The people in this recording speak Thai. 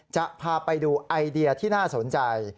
จะพาไปดูไอเดียที่น่าสนใจ